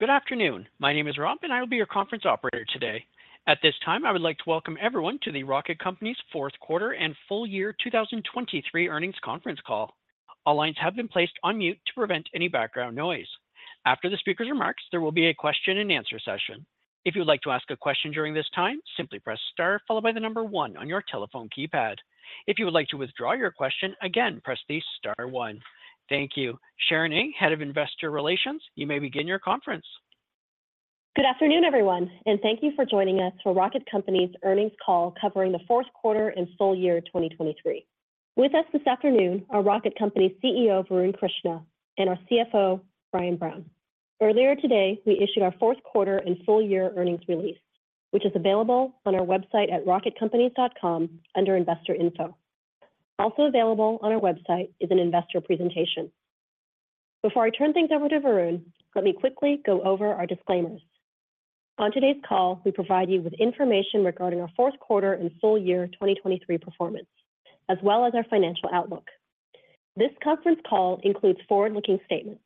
Good afternoon. My name is Rob, and I will be your conference operator today. At this time, I would like to welcome everyone to the Rocket Companies' Q4 and full year 2023 earnings conference call. All lines have been placed on mute to prevent any background noise. After the speaker's remarks, there will be a Q&A session. If you would like to ask a question during this time, simply press star followed by the number one on your telephone keypad. If you would like to withdraw your question, again, press the star one. Thank you. Sharon Ng, Head of Investor Relations, you may begin your conference. Good afternoon, everyone, and thank you for joining us for Rocket Companies' earnings call covering the fourth quarter and full year 2023. With us this afternoon are Rocket Companies' CEO, Varun Krishna, and our CFO, Brian Brown. Earlier today, we issued our fourth quarter and full year earnings release, which is available on our website at rocketcompanies.com under Investor Info. Also available on our website is an investor presentation. Before I turn things over to Varun, let me quickly go over our disclaimers. On today's call, we provide you with information regarding our Q4 and full year 2023 performance, as well as our financial outlook. This conference call includes forward-looking statements.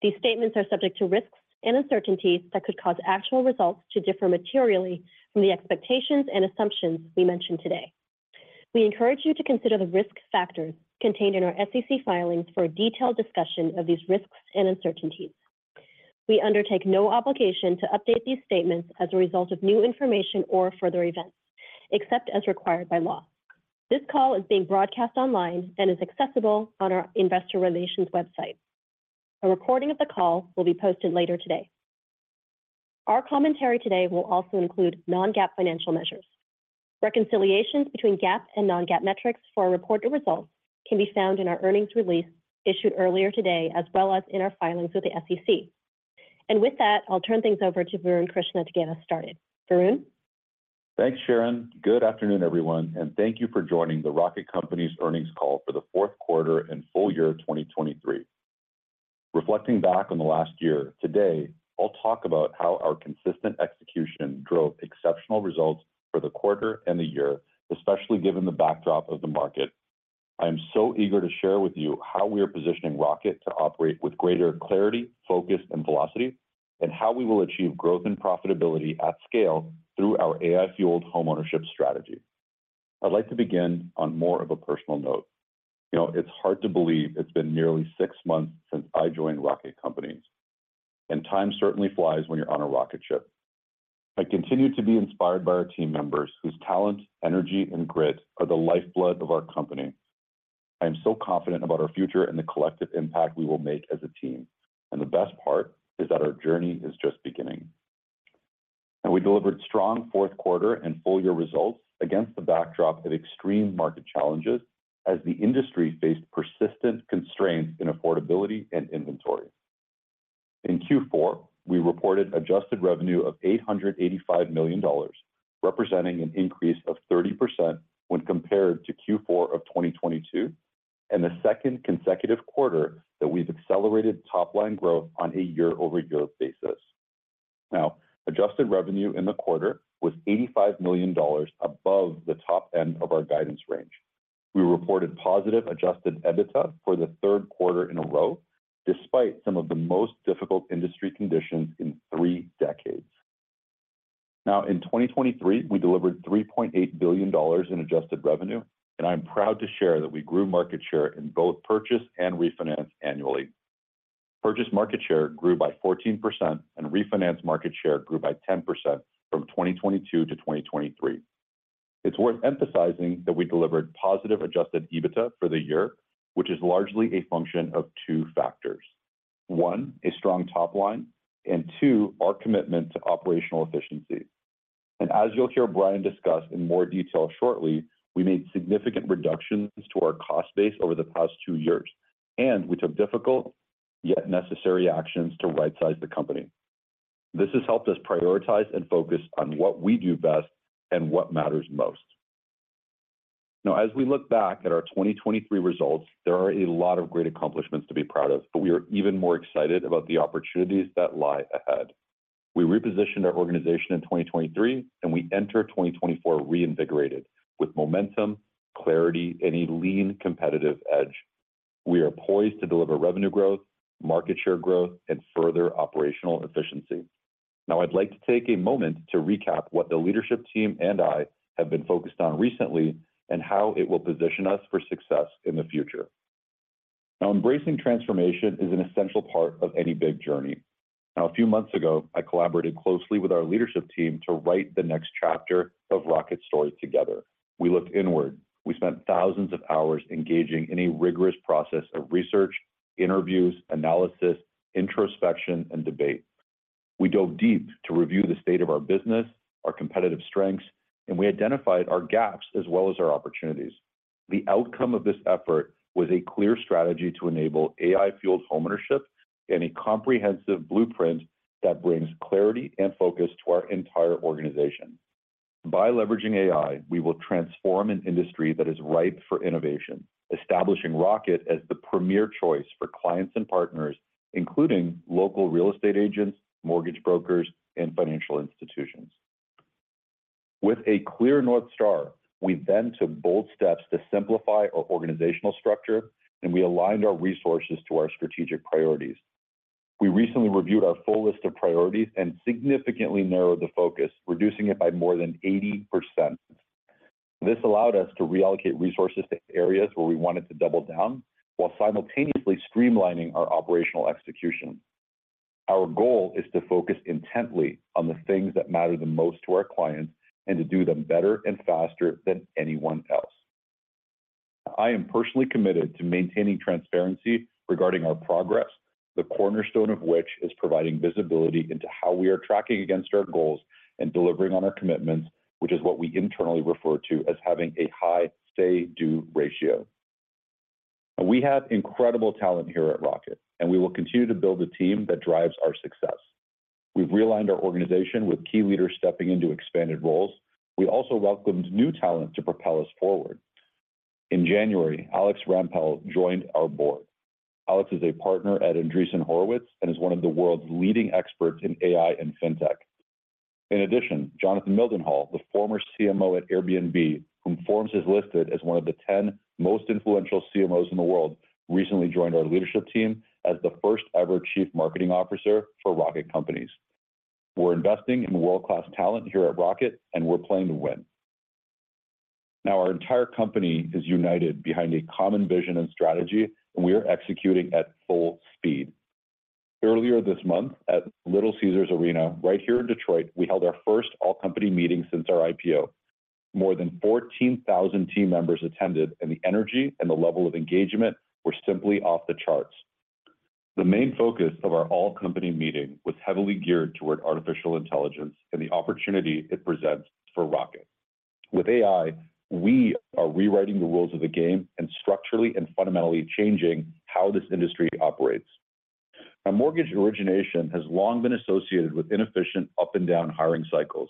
These statements are subject to risks and uncertainties that could cause actual results to differ materially from the expectations and assumptions we mentioned today. We encourage you to consider the risk factors contained in our SEC filings for a detailed discussion of these risks and uncertainties. We undertake no obligation to update these statements as a result of new information or further events, except as required by law. This call is being broadcast online and is accessible on our Investor Relations website. A recording of the call will be posted later today. Our commentary today will also include non-GAAP financial measures. Reconciliations between GAAP and non-GAAP metrics for our reported results can be found in our earnings release issued earlier today, as well as in our filings with the SEC. With that, I'll turn things over to Varun Krishna to get us started. Varun? Thanks, Sharon. Good afternoon, everyone, and thank you for joining the Rocket Companies' earnings call for the Q4 and full year 2023. Reflecting back on the last year, today, I'll talk about how our consistent execution drove exceptional results for the quarter and the year, especially given the backdrop of the market. I am so eager to share with you how we are positioning Rocket to operate with greater clarity, focus, and velocity, and how we will achieve growth and profitability at scale through our AI-fueled homeownership strategy. I'd like to begin on more of a personal note. It's hard to believe it's been nearly six months since I joined Rocket Companies, and time certainly flies when you're on a rocket ship. I continue to be inspired by our team members, whose talent, energy, and grit are the lifeblood of our company. I am so confident about our future and the collective impact we will make as a team, and the best part is that our journey is just beginning. We delivered strong Q4 and full year results against the backdrop of extreme market challenges as the industry faced persistent constraints in affordability and inventory. In Q4, we reported adjusted revenue of $885 million, representing an increase of 30% when compared to Q4 of 2022, and the second consecutive quarter that we've accelerated top-line growth on a year-over-year basis. Now, adjusted revenue in the quarter was $85 million above the top end of our guidance range. We reported positive adjusted EBITDA for the Q3 in a row, despite some of the most difficult industry conditions in three decades. Now, in 2023, we delivered $3.8 billion in Adjusted Revenue, and I'm proud to share that we grew market share in both purchase and refinance annually. Purchase market share grew by 14%, and refinance market share grew by 10% from 2022 to 2023. It's worth emphasizing that we delivered positive Adjusted EBITDA for the year, which is largely a function of two factors: one, a strong top line, and two, our commitment to operational efficiency. As you'll hear Brian discuss in more detail shortly, we made significant reductions to our cost base over the past two years, and we took difficult yet necessary actions to right-size the company. This has helped us prioritize and focus on what we do best and what matters most. Now, as we look back at our 2023 results, there are a lot of great accomplishments to be proud of, but we are even more excited about the opportunities that lie ahead. We repositioned our organization in 2023, and we enter 2024 reinvigorated with momentum, clarity, and a lean competitive edge. We are poised to deliver revenue growth, market share growth, and further operational efficiency. Now, I'd like to take a moment to recap what the leadership team and I have been focused on recently and how it will position us for success in the future. Now, embracing transformation is an essential part of any big journey. Now, a few months ago, I collaborated closely with our leadership team to write the next chapter of Rocket's story together. We looked inward. We spent thousands of hours engaging in a rigorous process of research, interviews, analysis, introspection, and debate. We dove deep to review the state of our business, our competitive strengths, and we identified our gaps as well as our opportunities. The outcome of this effort was a clear strategy to enable AI-fueled homeownership and a comprehensive blueprint that brings clarity and focus to our entire organization. By leveraging AI, we will transform an industry that is ripe for innovation, establishing Rocket as the premier choice for clients and partners, including local real estate agents, mortgage brokers, and financial institutions. With a clear North Star, we then took bold steps to simplify our organizational structure, and we aligned our resources to our strategic priorities. We recently reviewed our full list of priorities and significantly narrowed the focus, reducing it by more than 80%. This allowed us to reallocate resources to areas where we wanted to double down while simultaneously streamlining our operational execution. Our goal is to focus intently on the things that matter the most to our clients and to do them better and faster than anyone else. I am personally committed to maintaining transparency regarding our progress, the cornerstone of which is providing visibility into how we are tracking against our goals and delivering on our commitments, which is what we internally refer to as having a high say-due ratio. We have incredible talent here at Rocket, and we will continue to build a team that drives our success. We've realigned our organization with key leaders stepping into expanded roles. We also welcomed new talent to propel us forward. In January, Alex Rampell joined our board. Alex is a partner at Andreessen Horowitz and is one of the world's leading experts in AI and fintech. In addition, Jonathan Mildenhall, the former CMO at Airbnb, whom Forbes has listed as one of the 10 most influential CMOs in the world, recently joined our leadership team as the first-ever Chief Marketing Officer for Rocket Companies. We're investing in world-class talent here at Rocket, and we're playing to win. Now, our entire company is united behind a common vision and strategy, and we are executing at full speed. Earlier this month at Little Caesars Arena right here in Detroit, we held our first all-company meeting since our IPO. More than 14,000 team members attended, and the energy and the level of engagement were simply off the charts. The main focus of our all-company meeting was heavily geared toward artificial intelligence and the opportunity it presents for Rocket. With AI, we are rewriting the rules of the game and structurally and fundamentally changing how this industry operates. Now, mortgage origination has long been associated with inefficient up-and-down hiring cycles.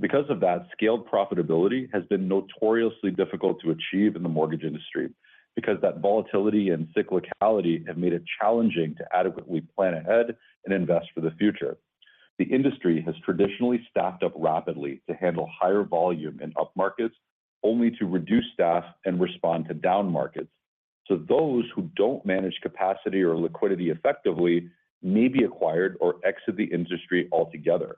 Because of that, scaled profitability has been notoriously difficult to achieve in the mortgage industry because that volatility and cyclicality have made it challenging to adequately plan ahead and invest for the future. The industry has traditionally staffed up rapidly to handle higher volume in up markets, only to reduce staff and respond to down markets. So those who don't manage capacity or liquidity effectively may be acquired or exit the industry altogether.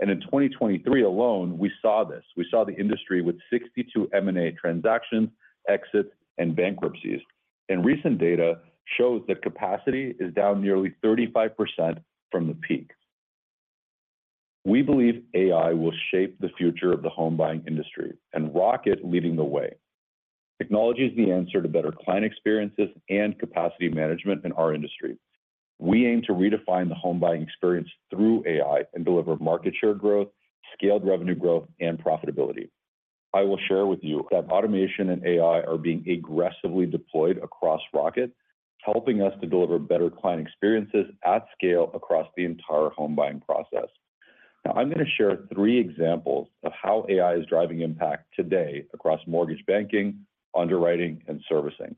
And in 2023 alone, we saw this. We saw the industry with 62 M&A transactions, exits, and bankruptcies. And recent data shows that capacity is down nearly 35% from the peak. We believe AI will shape the future of the home buying industry, and Rocket leading the way. Technology is the answer to better client experiences and capacity management in our industry. We aim to redefine the home buying experience through AI and deliver market share growth, scaled revenue growth, and profitability. I will share with you that automation and AI are being aggressively deployed across Rocket, helping us to deliver better client experiences at scale across the entire home buying process. I'm going to share three examples of how AI is driving impact today across mortgage banking, underwriting, and servicing.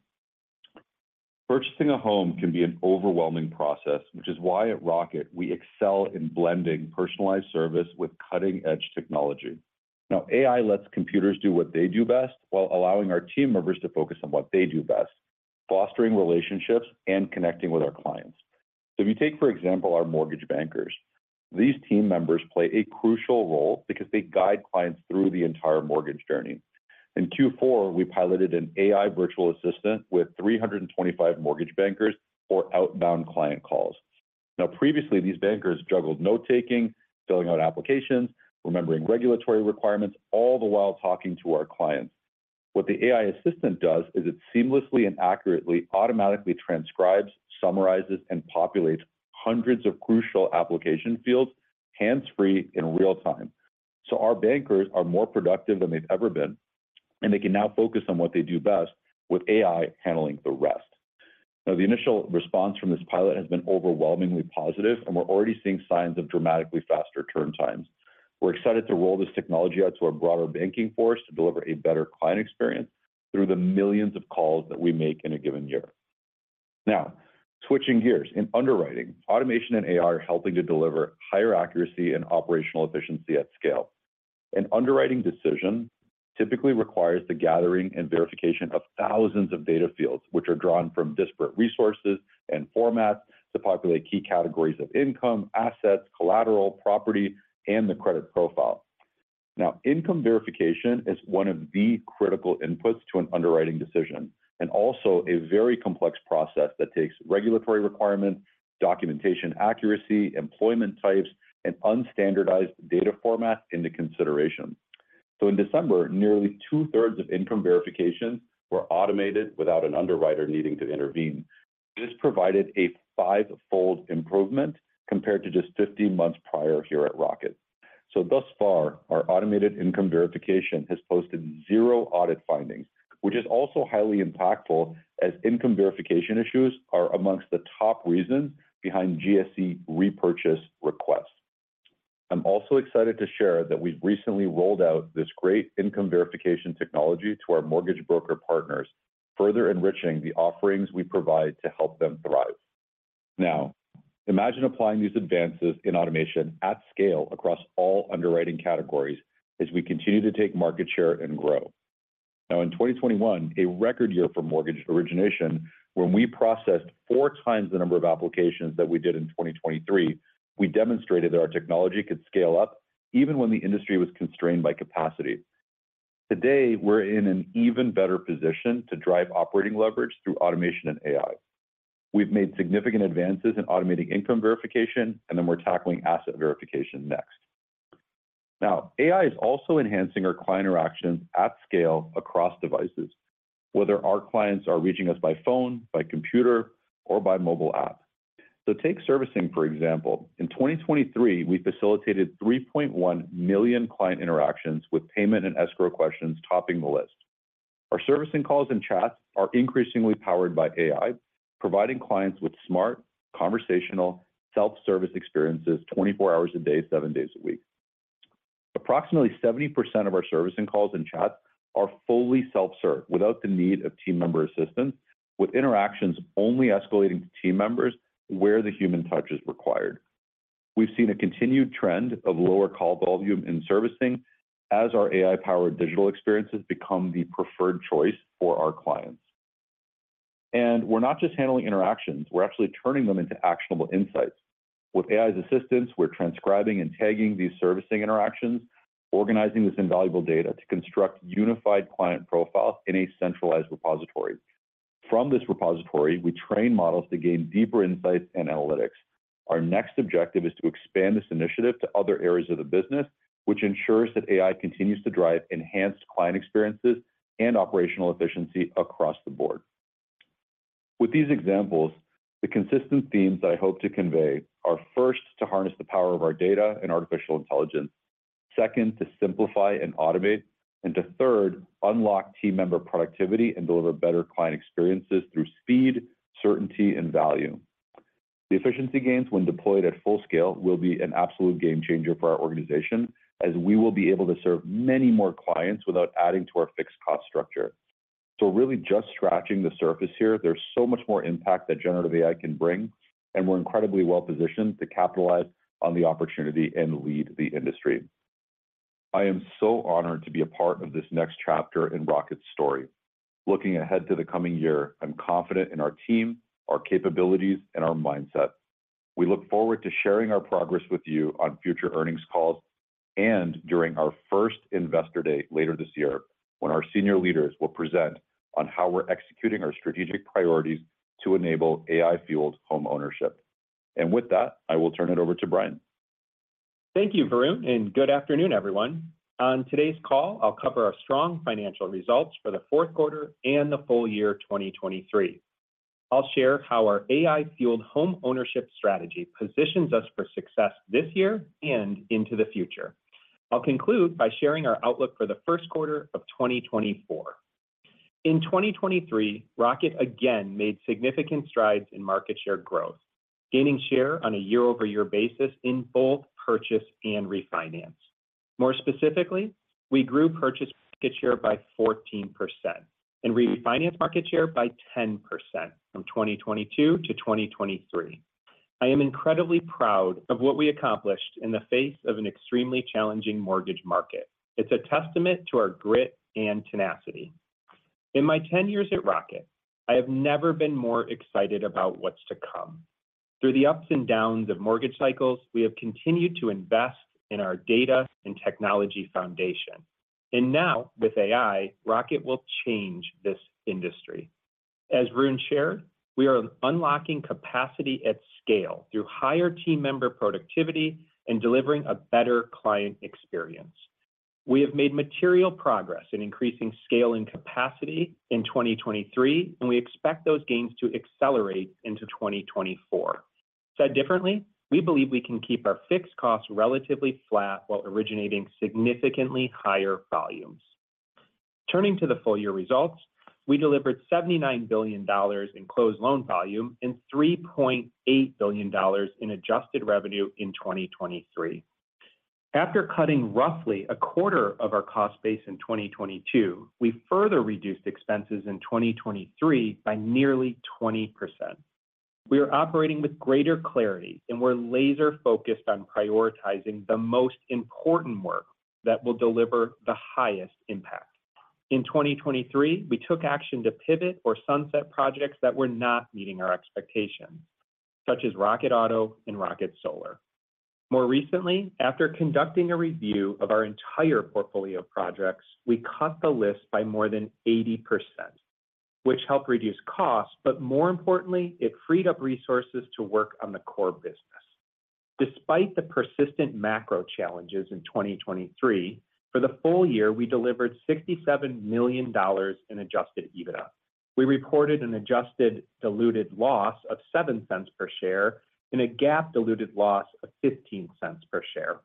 Purchasing a home can be an overwhelming process, which is why at Rocket we excel in blending personalized service with cutting-edge technology. AI lets computers do what they do best while allowing our team members to focus on what they do best, fostering relationships, and connecting with our clients. If you take, for example, our mortgage bankers, these team members play a crucial role because they guide clients through the entire mortgage journey. In Q4, we piloted an AI virtual assistant with 325 mortgage bankers for outbound client calls. Now, previously, these bankers juggled note-taking, filling out applications, remembering regulatory requirements, all the while talking to our clients. What the AI assistant does is it seamlessly and accurately automatically transcribes, summarizes, and populates hundreds of crucial application fields hands-free in real time. So our bankers are more productive than they've ever been, and they can now focus on what they do best with AI handling the rest. Now, the initial response from this pilot has been overwhelmingly positive, and we're already seeing signs of dramatically faster turn times. We're excited to roll this technology out to our broader banking force to deliver a better client experience through the millions of calls that we make in a given year. Now, switching gears, in underwriting, automation and AI are helping to deliver higher accuracy and operational efficiency at scale. An underwriting decision typically requires the gathering and verification of thousands of data fields, which are drawn from disparate resources and formats to populate key categories of income, assets, collateral, property, and the credit profile. Now, income verification is one of the critical inputs to an underwriting decision and also a very complex process that takes regulatory requirements, documentation accuracy, employment types, and unstandardized data formats into consideration. So in December, nearly two-thirds of income verifications were automated without an underwriter needing to intervene. This provided a five-fold improvement compared to just 15 months prior here at Rocket. So thus far, our automated income verification has posted zero audit findings, which is also highly impactful as income verification issues are amongst the top reasons behind GSE repurchase requests. I'm also excited to share that we've recently rolled out this great income verification technology to our mortgage broker partners, further enriching the offerings we provide to help them thrive. Now, imagine applying these advances in automation at scale across all underwriting categories as we continue to take market share and grow. Now, in 2021, a record year for mortgage origination, when we processed four times the number of applications that we did in 2023, we demonstrated that our technology could scale up even when the industry was constrained by capacity. Today, we're in an even better position to drive operating leverage through automation and AI. We've made significant advances in automating income verification, and then we're tackling asset verification next. Now, AI is also enhancing our client interactions at scale across devices, whether our clients are reaching us by phone, by computer, or by mobile app. So take servicing, for example. In 2023, we facilitated 3.1 million client interactions with payment and escrow questions topping the list. Our servicing calls and chats are increasingly powered by AI, providing clients with smart, conversational, self-service experiences 24 hours a day, seven days a week. Approximately 70% of our servicing calls and chats are fully self-served without the need of team member assistance, with interactions only escalating to team members where the human touch is required. We've seen a continued trend of lower call volume in servicing as our AI-powered digital experiences become the preferred choice for our clients. And we're not just handling interactions; we're actually turning them into actionable insights. With AI's assistance, we're transcribing and tagging these servicing interactions, organizing this invaluable data to construct unified client profiles in a centralized repository. From this repository, we train models to gain deeper insights and analytics. Our next objective is to expand this initiative to other areas of the business, which ensures that AI continues to drive enhanced client experiences and operational efficiency across the board. With these examples, the consistent themes that I hope to convey are first, to harness the power of our data and artificial intelligence. Second, to simplify and automate. And third, unlock team member productivity and deliver better client experiences through speed, certainty, and value. The efficiency gains when deployed at full scale will be an absolute game changer for our organization, as we will be able to serve many more clients without adding to our fixed cost structure. So we're really just scratching the surface here. There's so much more impact that generative AI can bring, and we're incredibly well positioned to capitalize on the opportunity and lead the industry. I am so honored to be a part of this next chapter in Rocket's story. Looking ahead to the coming year, I'm confident in our team, our capabilities, and our mindset. We look forward to sharing our progress with you on future earnings calls and during our first Investor Day later this year, when our senior leaders will present on how we're executing our strategic priorities to enable AI-fueled home ownership. With that, I will turn it over to Brian. Thank you, Varun, and good afternoon, everyone. On today's call, I'll cover our strong financial results for the Q4 and the full year 2023. I'll share how our AI-fueled home ownership strategy positions us for success this year and into the future. I'll conclude by sharing our outlook for the Q1 of 2024. In 2023, Rocket again made significant strides in market share growth, gaining share on a year-over-year basis in both purchase and refinance. More specifically, we grew purchase market share by 14% and refinance market share by 10% from 2022 to 2023. I am incredibly proud of what we accomplished in the face of an extremely challenging mortgage market. It's a testament to our grit and tenacity. In my 10 years at Rocket, I have never been more excited about what's to come. Through the ups and downs of mortgage cycles, we have continued to invest in our data and technology foundation. And now, with AI, Rocket will change this industry. As Varun shared, we are unlocking capacity at scale through higher team member productivity and delivering a better client experience. We have made material progress in increasing scale and capacity in 2023, and we expect those gains to accelerate into 2024. Said differently, we believe we can keep our fixed costs relatively flat while originating significantly higher volumes. Turning to the full year results, we delivered $79 billion in closed loan volume and $3.8 billion in adjusted revenue in 2023. After cutting roughly a quarter of our cost base in 2022, we further reduced expenses in 2023 by nearly 20%. We are operating with greater clarity, and we're laser-focused on prioritizing the most important work that will deliver the highest impact. In 2023, we took action to pivot or sunset projects that were not meeting our expectations, such as Rocket Auto and Rocket Solar. More recently, after conducting a review of our entire portfolio of projects, we cut the list by more than 80%, which helped reduce costs, but more importantly, it freed up resources to work on the core business. Despite the persistent macro challenges in 2023, for the full year, we delivered $67 million in Adjusted EBITDA. We reported an Adjusted diluted loss of $0.07 per share and a GAAP diluted loss of $0.15 per share.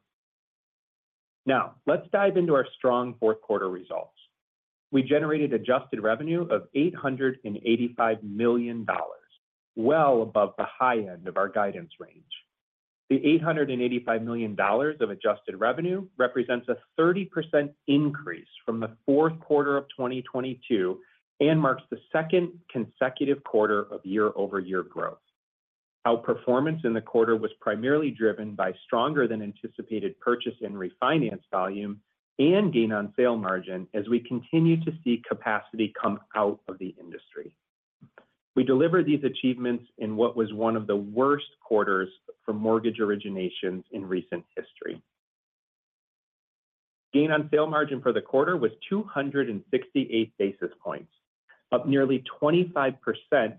Now, let's dive into our strong Q4 results. We generated Adjusted Revenue of $885 million, well above the high end of our guidance range. The $885 million of Adjusted Revenue represents a 30% increase from the Q4 of 2022 and marks the second consecutive quarter of year-over-year growth. Our performance in the quarter was primarily driven by stronger-than-anticipated purchase and refinance volume and gain-on-sale margin as we continue to see capacity come out of the industry. We delivered these achievements in what was one of the worst quarters for mortgage originations in recent history. Gain-on-sale margin for the quarter was 268 basis points, up nearly 25%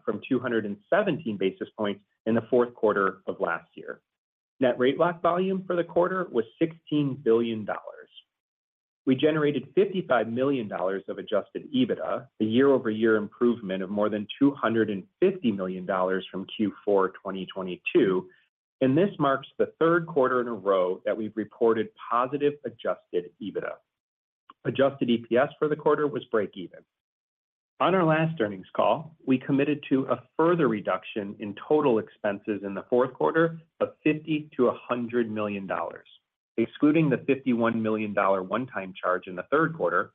from 217 basis points in the Q4 of last year. Net rate lock volume for the quarter was $16 billion. We generated $55 million of Adjusted EBITDA, a year-over-year improvement of more than $250 million from Q4 2022. This marks the Q3 in a row that we've reported positive Adjusted EBITDA. Adjusted EPS for the quarter was break-even. On our last earnings call, we committed to a further reduction in total expenses in the Q4 of $50-$100 million, excluding the $51 million one-time charge in the Q3.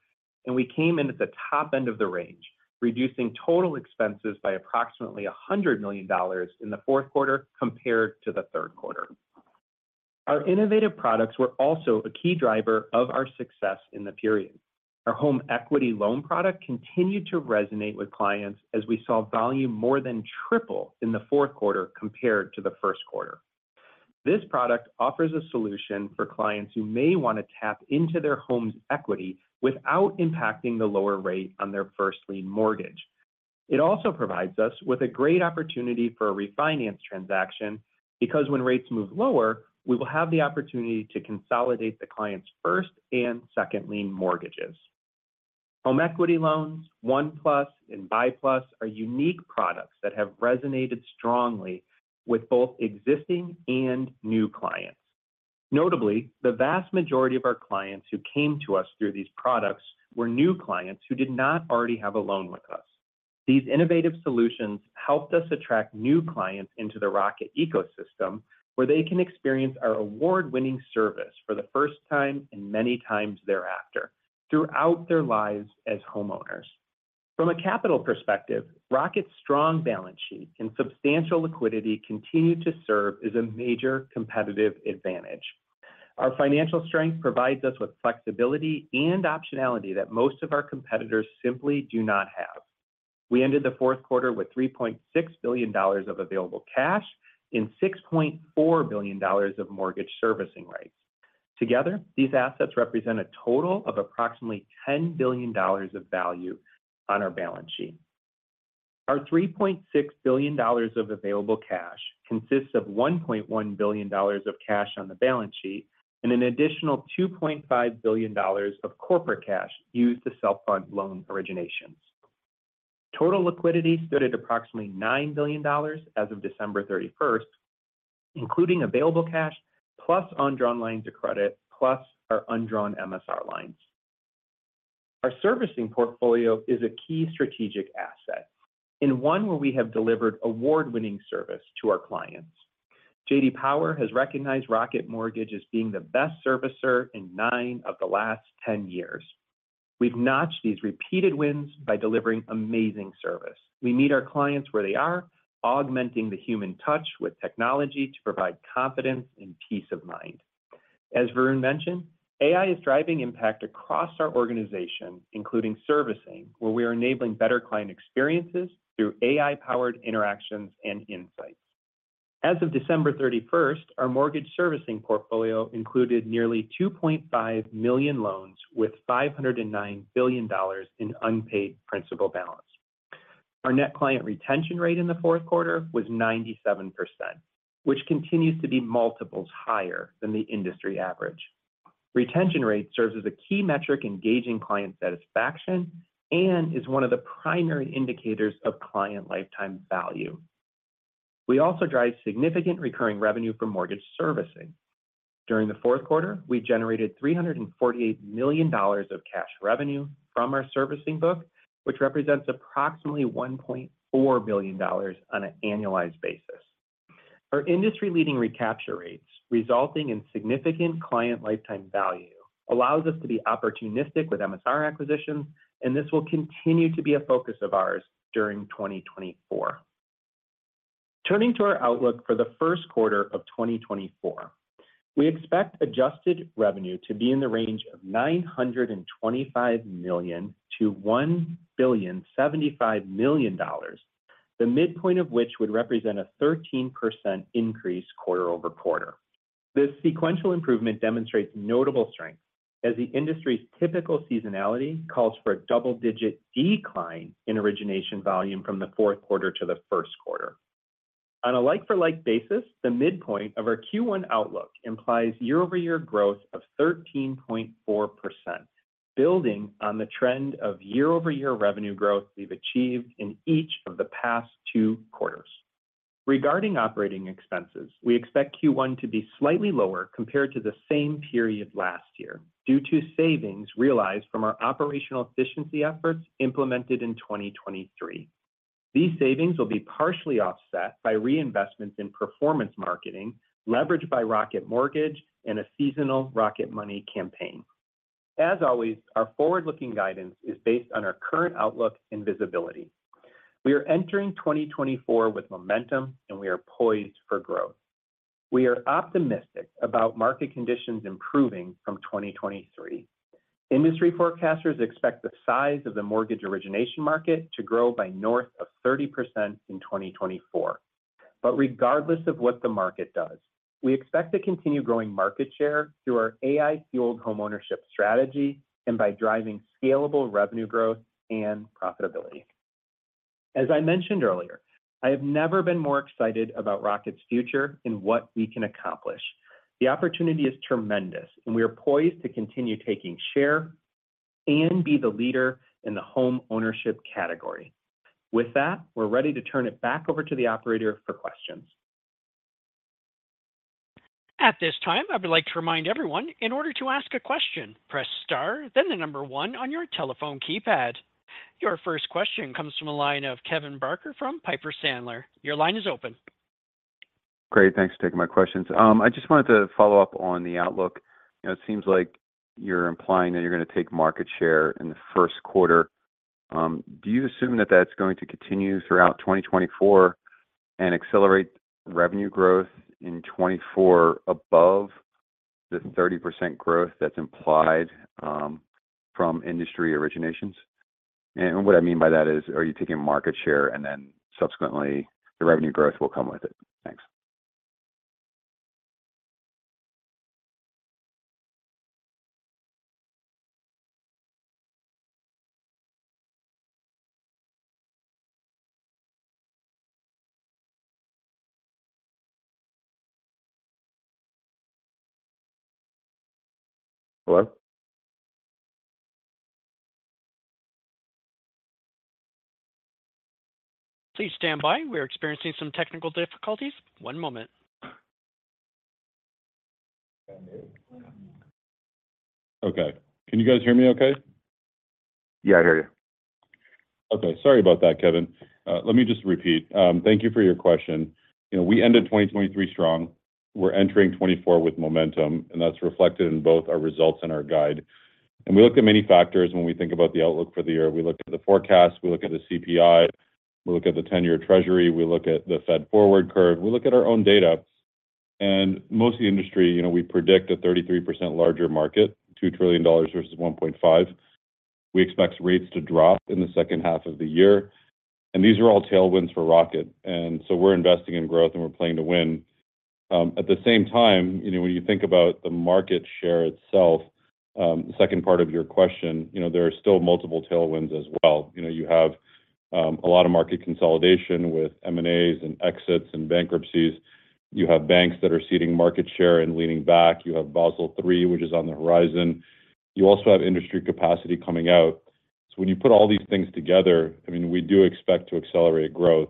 We came in at the top end of the range, reducing total expenses by approximately $100 million in the Q4 compared to the Q3. Our innovative products were also a key driver of our success in the period. Our home equity loan product continued to resonate with clients as we saw volume more than triple in the Q4 compared to the Q1. This product offers a solution for clients who may want to tap into their home's equity without impacting the lower rate on their first lien mortgage. It also provides us with a great opportunity for a refinance transaction because when rates move lower, we will have the opportunity to consolidate the client's first and second lien mortgages. Home equity loans, ONE+ and BUY+, are unique products that have resonated strongly with both existing and new clients. Notably, the vast majority of our clients who came to us through these products were new clients who did not already have a loan with us. These innovative solutions helped us attract new clients into the Rocket ecosystem, where they can experience our award-winning service for the first time and many times thereafter throughout their lives as homeowners. From a capital perspective, Rocket's strong balance sheet and substantial liquidity continue to serve as a major competitive advantage. Our financial strength provides us with flexibility and optionality that most of our competitors simply do not have. We ended the Q4 with $3.6 billion of available cash and $6.4 billion of mortgage servicing rights. Together, these assets represent a total of approximately $10 billion of value on our balance sheet. Our $3.6 billion of available cash consists of $1.1 billion of cash on the balance sheet and an additional $2.5 billion of corporate cash used to self-fund loan originations. Total liquidity stood at approximately $9 billion as of 31 December, including available cash plus undrawn lines of credit plus our undrawn MSR lines. Our servicing portfolio is a key strategic asset, in one where we have delivered award-winning service to our clients. J.D. Power has recognized Rocket Mortgage as being the best servicer in nine of the last 10 years. We've notched these repeated wins by delivering amazing service. We meet our clients where they are, augmenting the human touch with technology to provide confidence and peace of mind. As Varun mentioned, AI is driving impact across our organization, including servicing, where we are enabling better client experiences through AI-powered interactions and insights. As of 31 December, our mortgage servicing portfolio included nearly 2.5 million loans with $509 billion in unpaid principal balance. Our net client retention rate in the Q4 was 97%, which continues to be multiples higher than the industry average. Retention rate serves as a key metric engaging client satisfaction and is one of the primary indicators of client lifetime value. We also drive significant recurring revenue from mortgage servicing. During the fourth quarter, we generated $348 million of cash revenue from our servicing book, which represents approximately $1.4 billion on an annualized basis. Our industry-leading recapture rates, resulting in significant client lifetime value, allow us to be opportunistic with MSR acquisitions, and this will continue to be a focus of ours during 2024. Turning to our outlook for the Q1 of 2024, we expect adjusted revenue to be in the range of $925 million-$1.075 billion, the midpoint of which would represent a 13% increase quarter-over-quarter. This sequential improvement demonstrates notable strength, as the industry's typical seasonality calls for a double-digit decline in origination volume from the Q4 to the Q1. On a like-for-like basis, the midpoint of our Q1 outlook implies year-over-year growth of 13.4%, building on the trend of year-over-year revenue growth we've achieved in each of the past two quarters. Regarding operating expenses, we expect Q1 to be slightly lower compared to the same period last year due to savings realized from our operational efficiency efforts implemented in 2023. These savings will be partially offset by reinvestments in performance marketing leveraged by Rocket Mortgage and a seasonal Rocket Money campaign. As always, our forward-looking guidance is based on our current outlook and visibility. We are entering 2024 with momentum, and we are poised for growth. We are optimistic about market conditions improving from 2023. Industry forecasters expect the size of the mortgage origination market to grow by north of 30% in 2024. But regardless of what the market does, we expect to continue growing market share through our AI-fueled home ownership strategy and by driving scalable revenue growth and profitability. As I mentioned earlier, I have never been more excited about Rocket's future and what we can accomplish. The opportunity is tremendous, and we are poised to continue taking share and be the leader in the home ownership category. With that, we're ready to turn it back over to the operator for questions. At this time, I would like to remind everyone, in order to ask a question, press star, then the number one on your telephone keypad. Your first question comes from a line of Kevin Barker from Piper Sandler. Your line is open. Great. Thanks for taking my questions. I just wanted to follow up on the outlook. It seems like you're implying that you're going to take market share in the first quarter. Do you assume that that's going to continue throughout 2024 and accelerate revenue growth in 2024 above the 30% growth that's implied from industry originations? And what I mean by that is, are you taking market share and then subsequently the revenue growth will come with it? Thanks. Hello? Please stand by. We're experiencing some technical difficulties. One moment. Okay. Can you guys hear me okay? Yeah, I hear you. Okay. Sorry about that, Kevin. Let me just repeat. Thank you for your question. We ended 2023 strong. We're entering 2024 with momentum, and that's reflected in both our results and our guide. And we looked at many factors when we think about the outlook for the year. We looked at the forecast. We look at the CPI. We look at the 10-year Treasury. We look at the Fed forward curve. We look at our own data. And most of the industry, we predict a 33% larger market, $2 trillion versus $1.5 trillion. We expect rates to drop in the H2 of the year. And these are all tailwinds for Rocket. And so we're investing in growth, and we're playing to win. At the same time, when you think about the market share itself, the second part of your question, there are still multiple tailwinds as well. You have a lot of market consolidation with M&As and exits and bankruptcies. You have banks that are ceding market share and leaning back. You have Basel III, which is on the horizon. You also have industry capacity coming out. So when you put all these things together, I mean, we do expect to accelerate growth.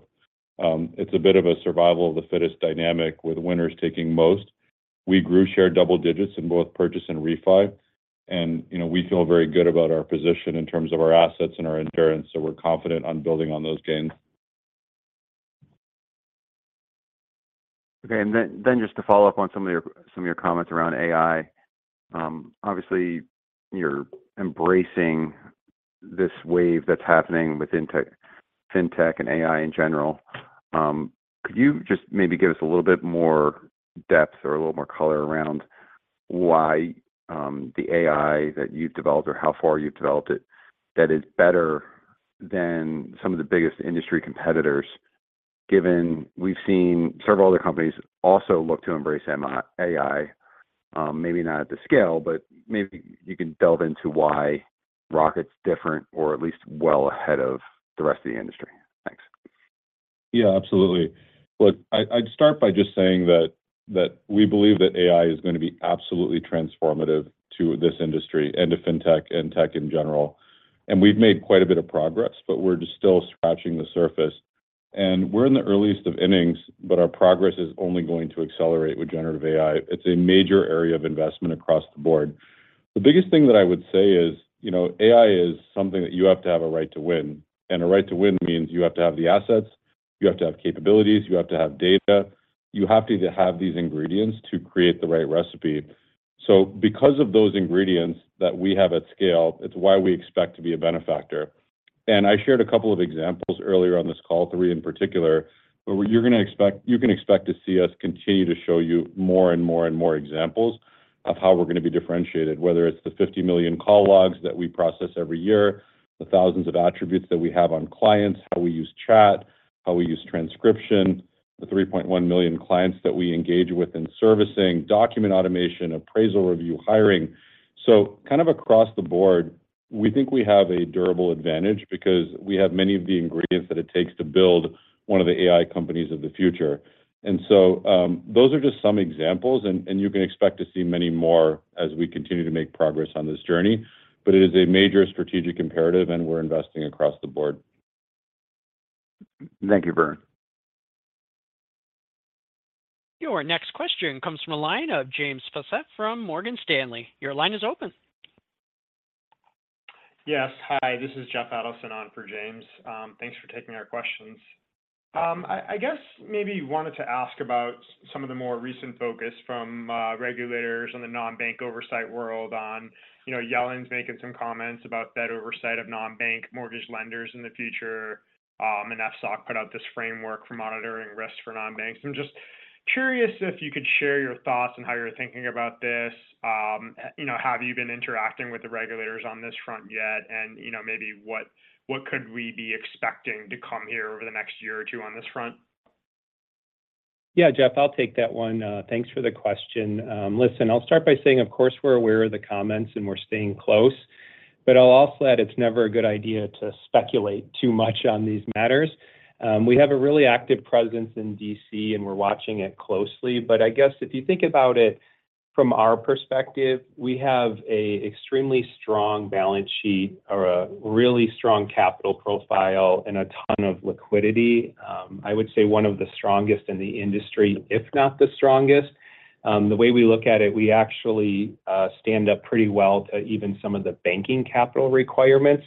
It's a bit of a survival of the fittest dynamic with winners taking most. We grew share double digits in both purchase and refi. And we feel very good about our position in terms of our assets and our endurance. So we're confident on building on those gains. Okay. And then just to follow up on some of your comments around AI, obviously, you're embracing this wave that's happening within fintech and AI in general. Could you just maybe give us a little bit more depth or a little more color around why the AI that you've developed or how far you've developed it that is better than some of the biggest industry competitors, given we've seen several other companies also look to embrace AI, maybe not at the scale, but maybe you can delve into why Rocket's different or at least well ahead of the rest of the industry. Thanks. Yeah, absolutely. Look, I'd start by just saying that we believe that AI is going to be absolutely transformative to this industry and to fintech and tech in general. And we've made quite a bit of progress, but we're just still scratching the surface. And we're in the earliest of innings, but our progress is only going to accelerate with generative AI. It's a major area of investment across the board. The biggest thing that I would say is AI is something that you have to have a right to win. And a right to win means you have to have the assets. You have to have capabilities. You have to have data. You have to have these ingredients to create the right recipe. So because of those ingredients that we have at scale, it's why we expect to be a benefactor. And I shared a couple of examples earlier on this call, three in particular, where you can expect to see us continue to show you more and more and more examples of how we're going to be differentiated, whether it's the 50 million call logs that we process every year, the thousands of attributes that we have on clients, how we use chat, how we use transcription, the 3.1 million clients that we engage with in servicing, document automation, appraisal review, hiring. So kind of across the board, we think we have a durable advantage because we have many of the ingredients that it takes to build one of the AI companies of the future. And so those are just some examples, and you can expect to see many more as we continue to make progress on this journey. It is a major strategic imperative, and we're investing across the board. Thank you, Varun. Your next question comes from a line of James Faucette from Morgan Stanley. Your line is open. Yes. Hi. This is Jeff Adelson on for James. Thanks for taking our questions. I guess maybe you wanted to ask about some of the more recent focus from regulators and the non-bank oversight world on Yellen's making some comments about Fed oversight of non-bank mortgage lenders in the future, and FSOC put out this framework for monitoring risk for non-banks. I'm just curious if you could share your thoughts and how you're thinking about this. Have you been interacting with the regulators on this front yet? And maybe what could we be expecting to come here over the next year or two on this front? Yeah, Jeff, I'll take that one. Thanks for the question. Listen, I'll start by saying, of course, we're aware of the comments, and we're staying close. But I'll also add it's never a good idea to speculate too much on these matters. We have a really active presence in D.C., and we're watching it closely. But I guess if you think about it from our perspective, we have an extremely strong balance sheet or a really strong capital profile and a ton of liquidity. I would say one of the strongest in the industry, if not the strongest. The way we look at it, we actually stand up pretty well to even some of the banking capital requirements.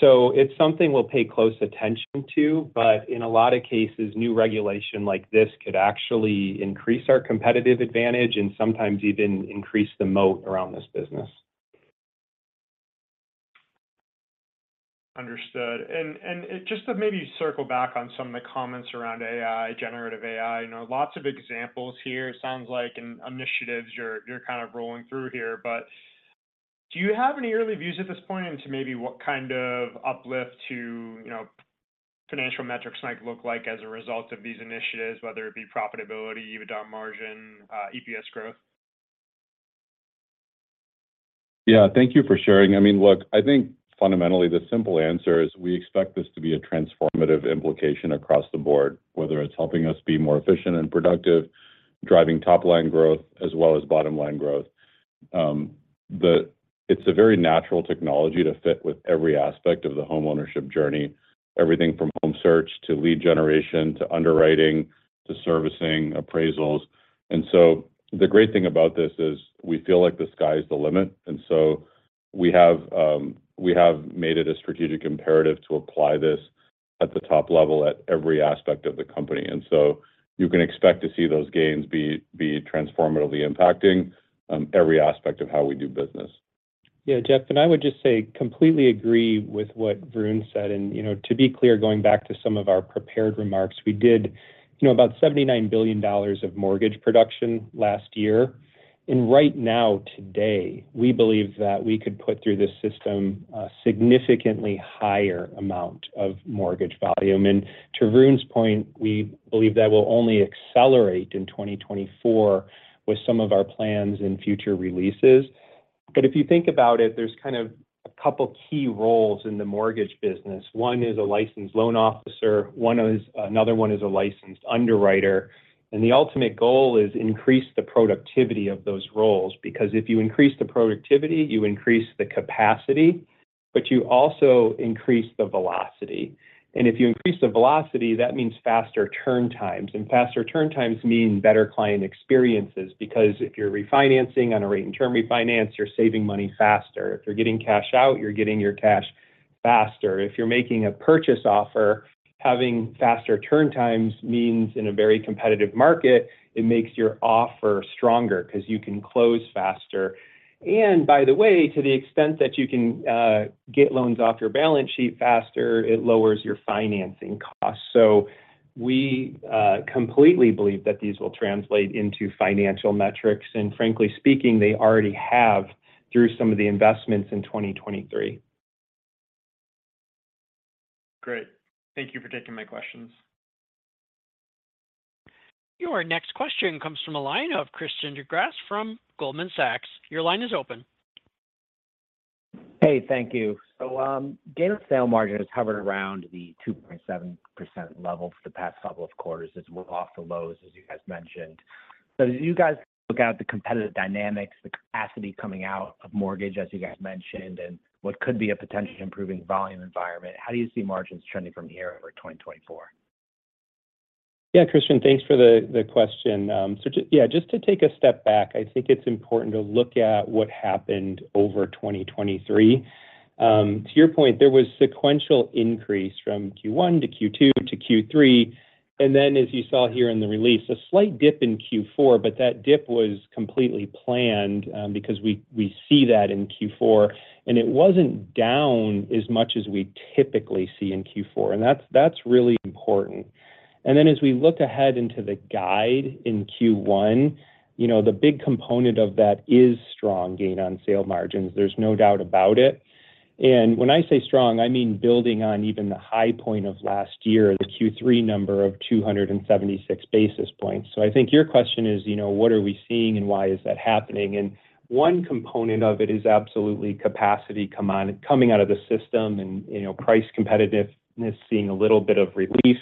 So it's something we'll pay close attention to. But in a lot of cases, new regulation like this could actually increase our competitive advantage and sometimes even increase the moat around this business. Understood. Just to maybe circle back on some of the comments around AI, generative AI, lots of examples here, it sounds like, and initiatives you're kind of rolling through here. But do you have any early views at this point into maybe what kind of uplift to financial metrics might look like as a result of these initiatives, whether it be profitability, EBITDA margin, EPS growth? Yeah. Thank you for sharing. I mean, look, I think fundamentally, the simple answer is we expect this to be a transformative implication across the board, whether it's helping us be more efficient and productive, driving top-line growth as well as bottom-line growth. It's a very natural technology to fit with every aspect of the home ownership journey, everything from home search to lead generation to underwriting to servicing, appraisals. And so the great thing about this is we feel like the sky's the limit. And so we have made it a strategic imperative to apply this at the top level at every aspect of the company. And so you can expect to see those gains be transformatively impacting every aspect of how we do business. Yeah, Jeff. And I would just say completely agree with what Varun said. And to be clear, going back to some of our prepared remarks, we did about $79 billion of mortgage production last year. And right now, today, we believe that we could put through this system a significantly higher amount of mortgage volume. And to Varun's point, we believe that will only accelerate in 2024 with some of our plans and future releases. But if you think about it, there's kind of a couple of key roles in the mortgage business. One is a licensed loan officer. Another one is a licensed underwriter. And the ultimate goal is increase the productivity of those roles because if you increase the productivity, you increase the capacity, but you also increase the velocity. And if you increase the velocity, that means faster turn times. Faster turn times mean better client experiences because if you're refinancing on a rate-and-term refinance, you're saving money faster. If you're getting cash out, you're getting your cash faster. If you're making a purchase offer, having faster turn times means, in a very competitive market, it makes your offer stronger because you can close faster. And by the way, to the extent that you can get loans off your balance sheet faster, it lowers your financing costs. So we completely believe that these will translate into financial metrics. And frankly speaking, they already have through some of the investments in 2023. Great. Thank you for taking my questions. Your next question comes from a line of Christian DeGrasse from Goldman Sachs. Your line is open. Hey, thank you. So gain on sale margin has hovered around the 2.7% level for the past couple of quarters. It's well off the lows, as you guys mentioned. So do you guys look out the competitive dynamics, the capacity coming out of mortgage, as you guys mentioned, and what could be a potentially improving volume environment? How do you see margins trending from here over 2024? Yeah, Christian, thanks for the question. Yeah, just to take a step back, I think it's important to look at what happened over 2023. To your point, there was sequential increase from Q1 to Q2 to Q3. And then, as you saw here in the release, a slight dip in Q4, but that dip was completely planned because we see that in Q4. And it wasn't down as much as we typically see in Q4. And that's really important. And then as we look ahead into the guide in Q1, the big component of that is strong gain on sale margins. There's no doubt about it. And when I say strong, I mean building on even the high point of last year, the Q3 number of 276 basis points. So I think your question is, what are we seeing, and why is that happening? One component of it is absolutely capacity coming out of the system and price competitiveness seeing a little bit of relief.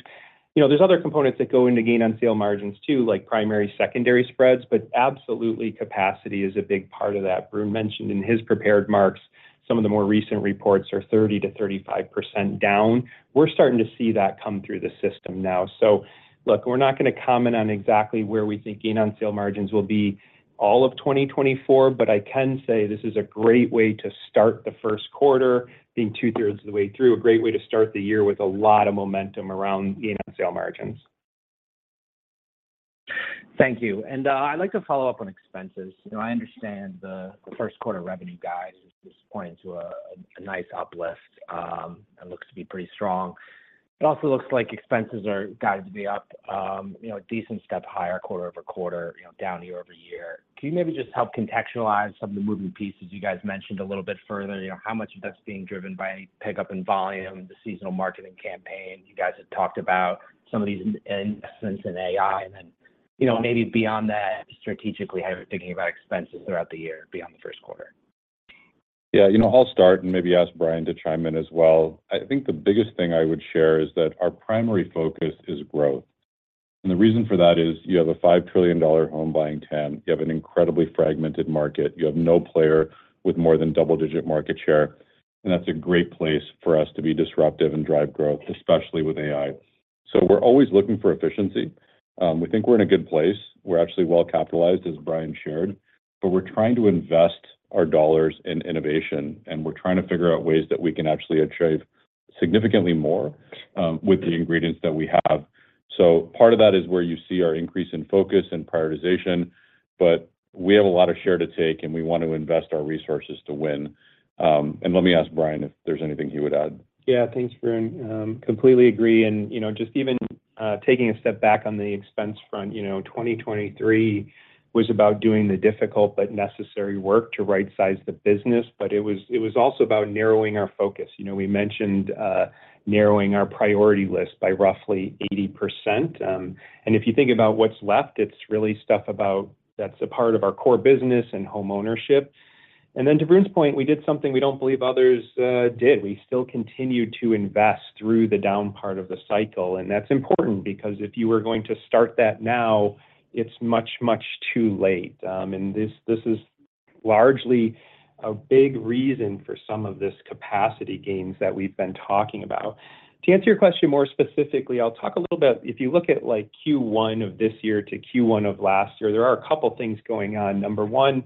There's other components that go into gain on sale margins too, like primary, secondary spreads. But absolutely, capacity is a big part of that. Varun mentioned in his prepared remarks, some of the more recent reports are 30%-35% down. We're starting to see that come through the system now. So look, we're not going to comment on exactly where we think gain on sale margins will be all of 2024, but I can say this is a great way to start the first quarter being two-thirds of the way through, a great way to start the year with a lot of momentum around gain on sale margins. Thank you. I'd like to follow up on expenses. I understand the first-quarter revenue guide is pointing to a nice uplift. It looks to be pretty strong. It also looks like expenses are guided to be up a decent step higher quarter-over-quarter, down year-over-year. Can you maybe just help contextualize some of the moving pieces you guys mentioned a little bit further? How much of that's being driven by pickup in volume, the seasonal marketing campaign? You guys had talked about some of these investments in AI. And then maybe beyond that, strategically, how you're thinking about expenses throughout the year, beyond the Q1? Yeah. I'll start and maybe ask Brian to chime in as well. I think the biggest thing I would share is that our primary focus is growth. The reason for that is you have a $5 trillion home buying market. You have an incredibly fragmented market. You have no player with more than double-digit market share. That's a great place for us to be disruptive and drive growth, especially with AI. We're always looking for efficiency. We think we're in a good place. We're actually well-capitalized, as Brian shared. We're trying to invest our dollars in innovation, and we're trying to figure out ways that we can actually achieve significantly more with the ingredients that we have. Part of that is where you see our increase in focus and prioritization. But we have a lot of share to take, and we want to invest our resources to win. Let me ask Brian if there's anything he would add. Yeah, thanks, Varun. Completely agree. And just even taking a step back on the expense front, 2023 was about doing the difficult but necessary work to right-size the business. But it was also about narrowing our focus. We mentioned narrowing our priority list by roughly 80%. And if you think about what's left, it's really stuff that's a part of our core business and home ownership. And then to Varun's point, we did something we don't believe others did. We still continue to invest through the down part of the cycle. And that's important because if you were going to start that now, it's much, much too late. And this is largely a big reason for some of this capacity gains that we've been talking about. To answer your question more specifically, I'll talk a little bit if you look at Q1 of this year to Q1 of last year, there are a couple of things going on. Number one,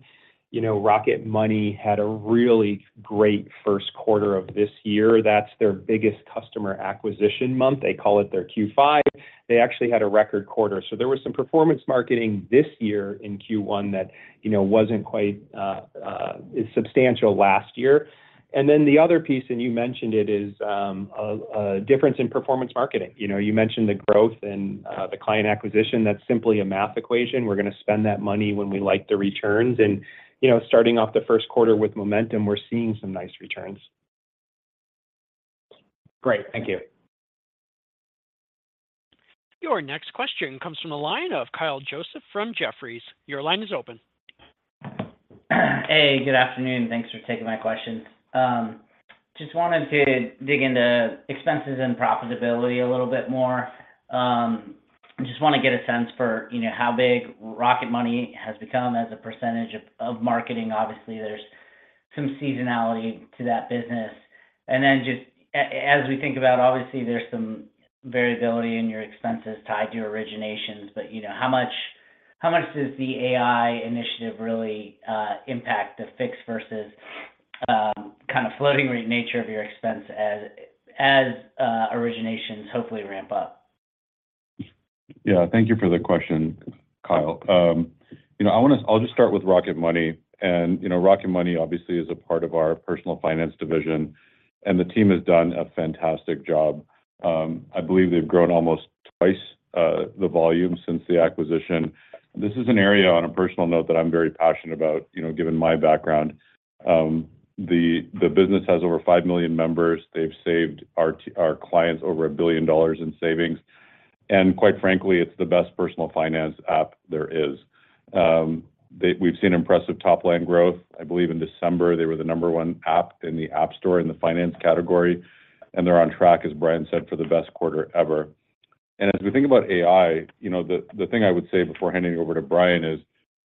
Rocket Money had a really great Q1 of this year. That's their biggest customer acquisition month. They call it their Q5. They actually had a record quarter. So there was some performance marketing this year in Q1 that wasn't quite as substantial last year. And then the other piece, and you mentioned it, is a difference in performance marketing. You mentioned the growth and the client acquisition. That's simply a math equation. We're going to spend that money when we like the returns. And starting off the first quarter with momentum, we're seeing some nice returns. Great. Thank you. Your next question comes from a line of Kyle Joseph from Jefferies. Your line is open. Hey, good afternoon. Thanks for taking my questions. Just wanted to dig into expenses and profitability a little bit more. Just want to get a sense for how big Rocket Money has become as a percentage of marketing. Obviously, there's some seasonality to that business. And then just as we think about, obviously, there's some variability in your expenses tied to originations. But how much does the AI initiative really impact the fixed versus kind of floating-rate nature of your expense as originations hopefully ramp up? Yeah. Thank you for the question, Kyle. I'll just start with Rocket Money. Rocket Money, obviously, is a part of our personal finance division. The team has done a fantastic job. I believe they've grown almost twice the volume since the acquisition. This is an area, on a personal note, that I'm very passionate about, given my background. The business has over five million members. They've saved our clients over $1 billion in savings. Quite frankly, it's the best personal finance app there is. We've seen impressive top-line growth. I believe in December, they were the number one app in the app store in the finance category. They're on track, as Brian said, for the best quarter ever. As we think about AI, the thing I would say before handing it over to Brian is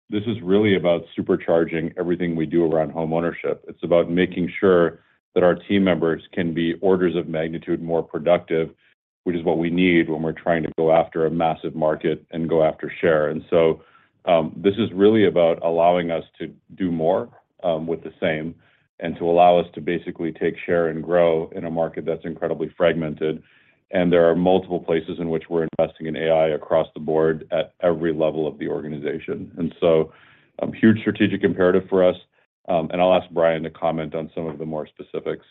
this is really about supercharging everything we do around home ownership. It's about making sure that our team members can be orders of magnitude more productive, which is what we need when we're trying to go after a massive market and go after share. So this is really about allowing us to do more with the same and to allow us to basically take share and grow in a market that's incredibly fragmented. There are multiple places in which we're investing in AI across the board at every level of the organization. So huge strategic imperative for us. I'll ask Brian to comment on some of the more specifics.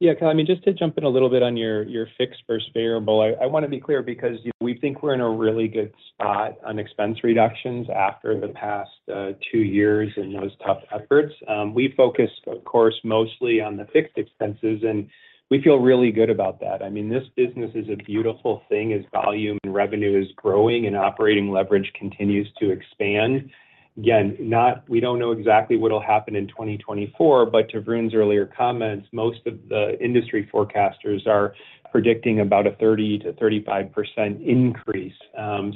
Yeah, Kyle. I mean, just to jump in a little bit on your fixed versus variable, I want to be clear because we think we're in a really good spot on expense reductions after the past two years and those tough efforts. We focus, of course, mostly on the fixed expenses. And we feel really good about that. I mean, this business is a beautiful thing as volume and revenue is growing and operating leverage continues to expand. Again, we don't know exactly what will happen in 2024. But to Varun's earlier comments, most of the industry forecasters are predicting about a 30%-35% increase.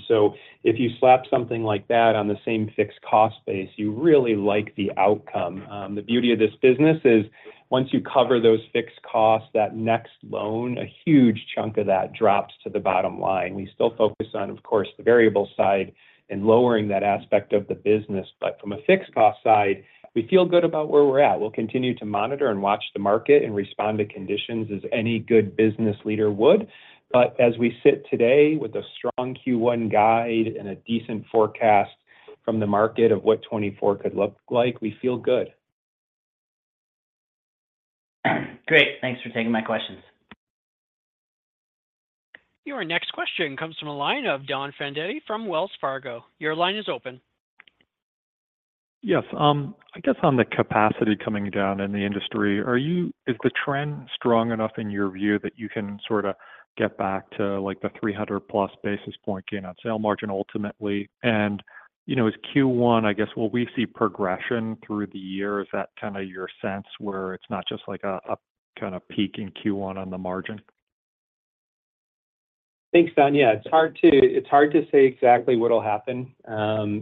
So if you slap something like that on the same fixed cost base, you really like the outcome. The beauty of this business is once you cover those fixed costs, that next loan, a huge chunk of that drops to the bottom line. We still focus on, of course, the variable side and lowering that aspect of the business. But from a fixed cost side, we feel good about where we're at. We'll continue to monitor and watch the market and respond to conditions as any good business leader would. But as we sit today with a strong Q1 guide and a decent forecast from the market of what 2024 could look like, we feel good. Great. Thanks for taking my questions. Your next question comes from a line of Don Fandetti from Wells Fargo. Your line is open. Yes. I guess on the capacity coming down in the industry, is the trend strong enough in your view that you can sort of get back to the 300 plus basis point gain on sale margin ultimately? And is Q1, I guess, will we see progression through the year? Is that kind of your sense where it's not just like a kind of peak in Q1 on the margin? Thanks, Don. Yeah, it's hard to say exactly what will happen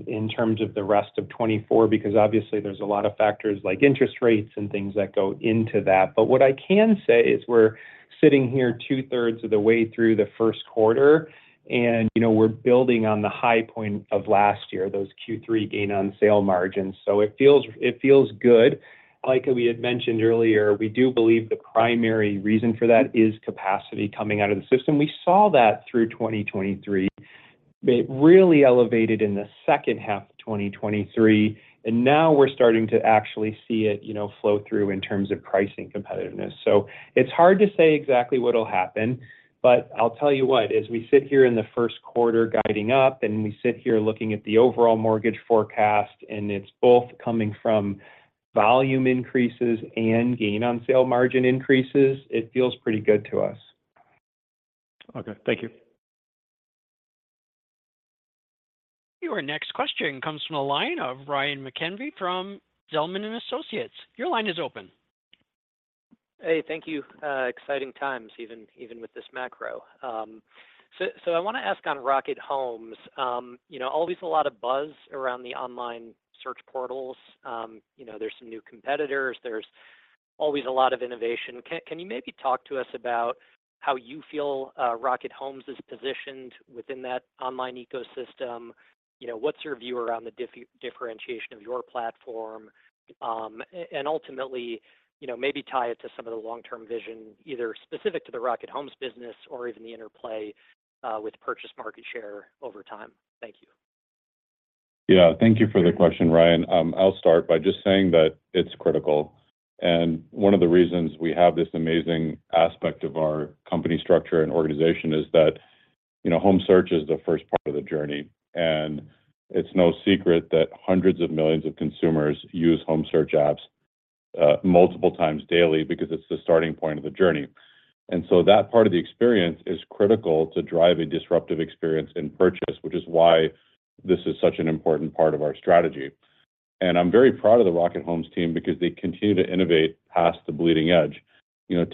in terms of the rest of 2024 because obviously, there's a lot of factors like interest rates and things that go into that. But what I can say is we're sitting here two-thirds of the way through the Q1, and we're building on the high point of last year, those Q3 gain on sale margins. So it feels good. Like we had mentioned earlier, we do believe the primary reason for that is capacity coming out of the system. We saw that through 2023. It really elevated in the H2 of 2023. And now we're starting to actually see it flow through in terms of pricing competitiveness. So it's hard to say exactly what will happen. But I'll tell you what, as we sit here in the Q1 guiding up and we sit here looking at the overall mortgage forecast, and it's both coming from volume increases and Gain on Sale Margin increases, it feels pretty good to us. Okay. Thank you. Your next question comes from a line of Ryan McKenna from Zelman & Associates. Your line is open. Hey, thank you. Exciting times, even with this macro. I want to ask on Rocket Homes. Always a lot of buzz around the online search portals. There's some new competitors. There's always a lot of innovation. Can you maybe talk to us about how you feel Rocket Homes is positioned within that online ecosystem? What's your view around the differentiation of your platform? And ultimately, maybe tie it to some of the long-term vision, either specific to the Rocket Homes business or even the interplay with purchase market share over time. Thank you. Yeah. Thank you for the question, Ryan. I'll start by just saying that it's critical. And one of the reasons we have this amazing aspect of our company structure and organization is that home search is the first part of the journey. And it's no secret that hundreds of millions of consumers use home search apps multiple times daily because it's the starting point of the journey. And so that part of the experience is critical to drive a disruptive experience in purchase, which is why this is such an important part of our strategy. And I'm very proud of the Rocket Homes team because they continue to innovate past the bleeding edge.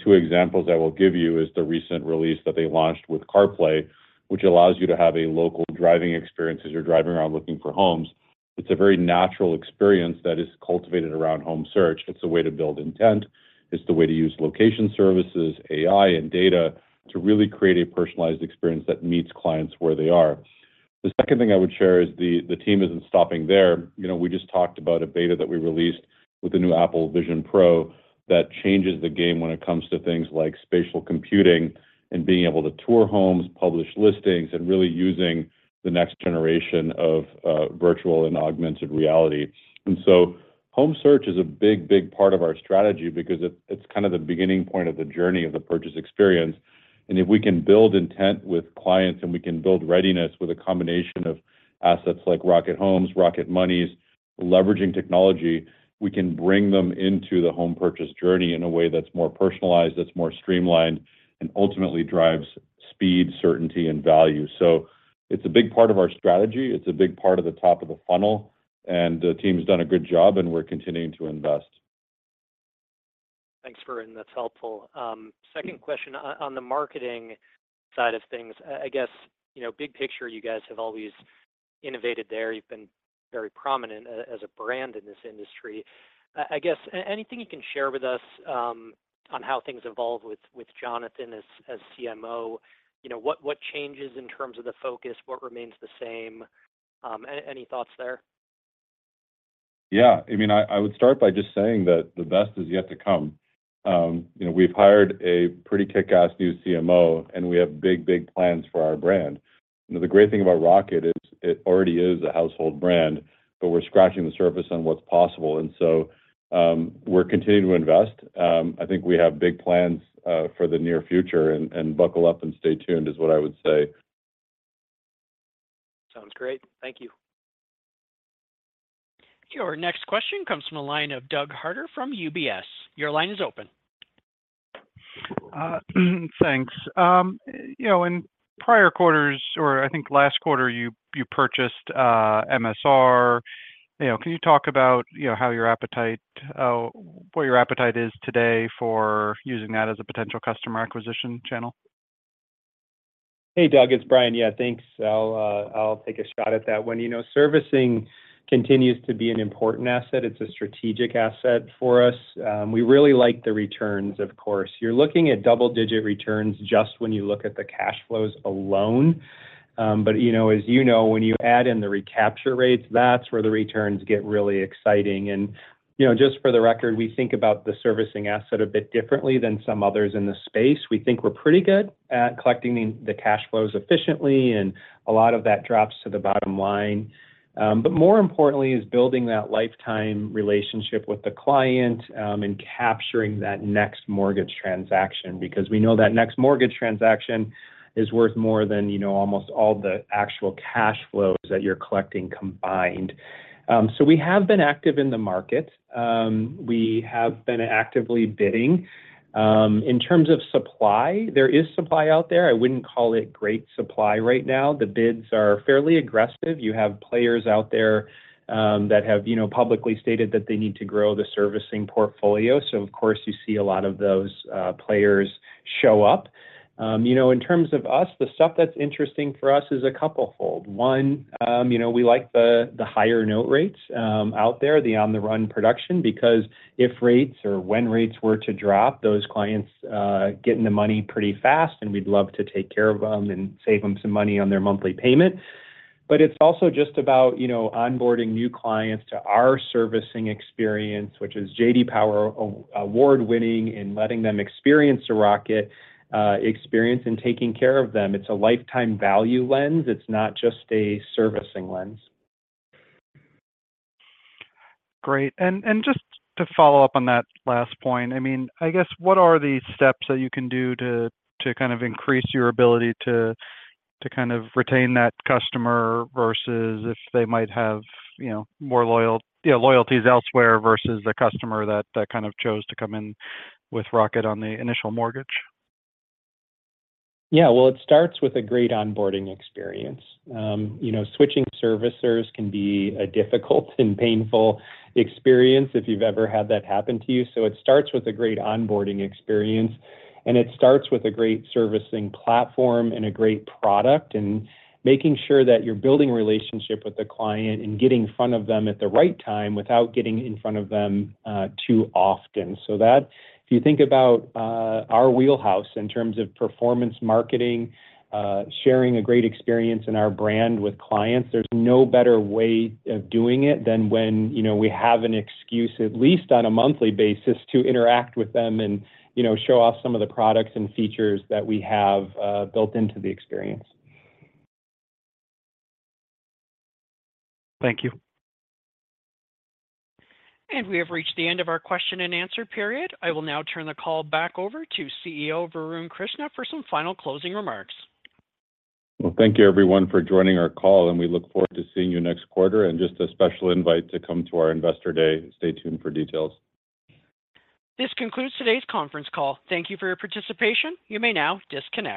Two examples I will give you is the recent release that they launched with CarPlay, which allows you to have a local driving experience as you're driving around looking for homes. It's a very natural experience that is cultivated around home search. It's a way to build intent. It's the way to use location services, AI, and data to really create a personalized experience that meets clients where they are. The second thing I would share is the team isn't stopping there. We just talked about a beta that we released with the new Apple Vision Pro that changes the game when it comes to things like spatial computing and being able to tour homes, publish listings, and really using the next generation of virtual and augmented reality. And so home search is a big, big part of our strategy because it's kind of the beginning point of the journey of the purchase experience. If we can build intent with clients and we can build readiness with a combination of assets like Rocket Homes, Rocket Money, leveraging technology, we can bring them into the home purchase journey in a way that's more personalized, that's more streamlined, and ultimately drives speed, certainty, and value. So it's a big part of our strategy. It's a big part of the top of the funnel. And the team's done a good job, and we're continuing to invest. Thanks, Varun. That's helpful. Second question, on the marketing side of things, I guess big picture, you guys have always innovated there. You've been very prominent as a brand in this industry. I guess anything you can share with us on how things evolve with Jonathan as CMO? What changes in terms of the focus? What remains the same? Any thoughts there? Yeah. I mean, I would start by just saying that the best is yet to come. We've hired a pretty kick-ass new CMO, and we have big, big plans for our brand. The great thing about Rocket is it already is a household brand, but we're scratching the surface on what's possible. And so we're continuing to invest. I think we have big plans for the near future. And buckle up and stay tuned is what I would say. Sounds great. Thank you. Your next question comes from a line of Doug Harter from UBS. Your line is open. Thanks. In prior quarters or I think last quarter, you purchased MSR. Can you talk about how your appetite is today for using that as a potential customer acquisition channel? Hey, Doug. It's Brian. Yeah, thanks. I'll take a shot at that one. Servicing continues to be an important asset. It's a strategic asset for us. We really like the returns, of course. You're looking at double-digit returns just when you look at the cash flows alone. But as you know, when you add in the recapture rates, that's where the returns get really exciting. And just for the record, we think about the servicing asset a bit differently than some others in the space. We think we're pretty good at collecting the cash flows efficiently, and a lot of that drops to the bottom line. But more importantly, is building that lifetime relationship with the client and capturing that next mortgage transaction because we know that next mortgage transaction is worth more than almost all the actual cash flows that you're collecting combined. So we have been active in the market. We have been actively bidding. In terms of supply, there is supply out there. I wouldn't call it great supply right now. The bids are fairly aggressive. You have players out there that have publicly stated that they need to grow the servicing portfolio. So, of course, you see a lot of those players show up. In terms of us, the stuff that's interesting for us is a couple-fold. One, we like the higher note rates out there, the on-the-run production, because if rates or when rates were to drop, those clients get in the money pretty fast, and we'd love to take care of them and save them some money on their monthly payment. But it's also just about onboarding new clients to our servicing experience, which is J.D. Power award-winning in letting them experience the Rocket experience and taking care of them. It's a lifetime value lens. It's not just a servicing lens. Great. And just to follow up on that last point, I mean, I guess what are the steps that you can do to kind of increase your ability to kind of retain that customer versus if they might have more loyalties elsewhere versus a customer that kind of chose to come in with Rocket on the initial mortgage? Yeah. Well, it starts with a great onboarding experience. Switching servicers can be a difficult and painful experience if you've ever had that happen to you. So it starts with a great onboarding experience. And it starts with a great servicing platform and a great product and making sure that you're building relationship with the client and getting in front of them at the right time without getting in front of them too often. So if you think about our wheelhouse in terms of performance marketing, sharing a great experience in our brand with clients, there's no better way of doing it than when we have an excuse, at least on a monthly basis, to interact with them and show off some of the products and features that we have built into the experience. Thank you. We have reached the end of our question-and-answer period. I will now turn the call back over to CEO Varun Krishna for some final closing remarks. Well, thank you, everyone, for joining our call. We look forward to seeing you next quarter and just a special invite to come to our Investor Day. Stay tuned for details. This concludes today's conference call. Thank you for your participation. You may now disconnect.